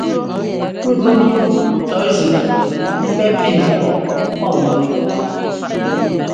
Ŋgʉ nǔu cɔ̌ zʉꞌ pɛ́ pi nɛpɔꞌ pɔ́p nɛlʉ̈ɔꞌ.